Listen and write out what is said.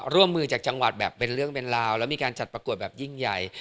ร่วมมือจากจังหวัดแบบเป็นเรื่องเป็นราวแล้วมีการจัดประกวดแบบยิ่งใหญ่